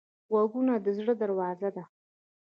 غوږونه د زړه دروازه ده